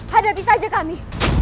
hadapi saja kami